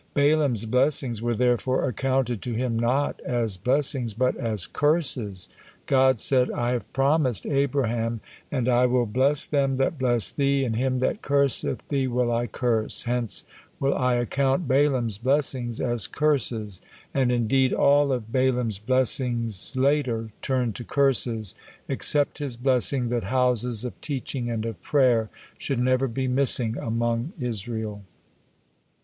Balaam's blessings were therefore accounted to him not as blessings, but as curses. God said: "I have promised Abraham, 'And I will bless them that bless thee, and him that curseth thee will I curse,' hence will I account Balaam's blessings as curses." And indeed all of Balaam's blessing later turned to curses, except his blessing that houses of teaching and of prayer should never be missing among Israel.